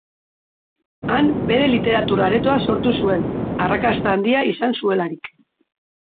Han bere literatur aretoa sortu zuen, arrakasta handia izan zuelarik.